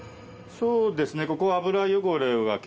そうですね。